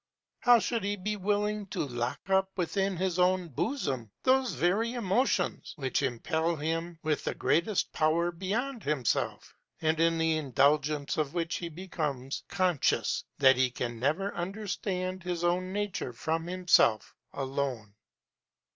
How should he be willing to lock up within his own bosom those very emotions which impel him with the greatest power beyond himself, and in the indulgence of which he becomes conscious that he can never understand his own nature from himself alone?